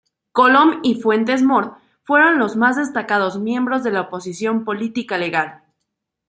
Colom y Fuentes Mohr fueron los más destacados miembros de la oposición política legal.